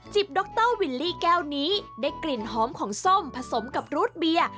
ดรวิลลี่แก้วนี้ได้กลิ่นหอมของส้มผสมกับรูดเบียร์